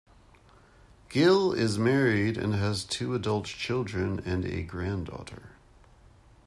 Gill is married and has two adult children and a granddaughter.